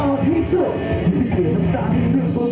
หยุดมีท่าหยุดมีท่า